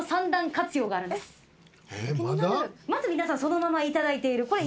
まず皆さんそのままいただいている。